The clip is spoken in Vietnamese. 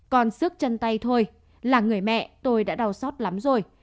còn sức chân tay thôi là người mẹ tôi đã đau xót lắm rồi